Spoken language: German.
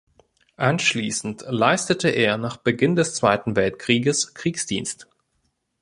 Anschließend leistete er nach Beginn des Zweiten Weltkrieges Kriegsdienst.